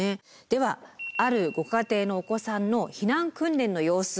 ではあるご家庭のお子さんの避難訓練の様子